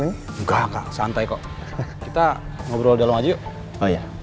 enggak santai kok kita ngobrol dalam aja yuk yuk